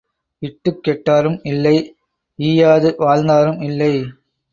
இட்டுக் கெட்டாரும் இல்லை ஈயாது வாழ்ந்தாரும் இல்லை.